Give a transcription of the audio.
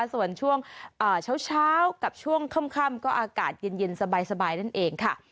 ส่วนช่วงเช้ากับช่วงค่ำก็อากาศเย็นสบายนั่นเองค่ะ